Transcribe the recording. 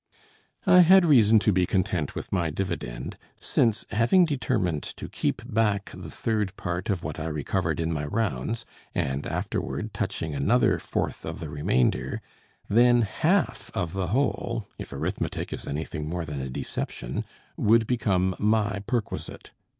I had reason to be content with my dividend; since, having determined to keep back the third part of what I recovered in my rounds, and afterward touching another fourth of the remainder, then half of the whole, if arithmetic is anything more than a deception, would become my perquisite.